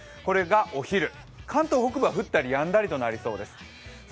お昼、関東北部は降ったりやんだりとなりそうです。